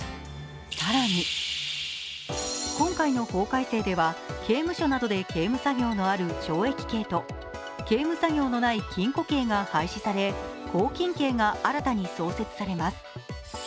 更に、今回の法改正では刑務所などで刑務作業のある懲役刑と刑務作業のない禁錮刑が廃止され拘禁刑が新たに創設されます。